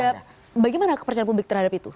ya bagaimana kepercayaan publik terhadap itu